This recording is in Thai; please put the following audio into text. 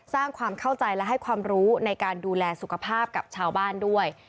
สร้างความเข้าใจและให้ความรู้ในการดูแลสุขภาพกับชาวบ้านด้วย